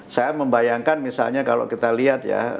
saya membayangkan misalnya kalau kita lihat ya